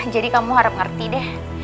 jadi kamu harap ngerti deh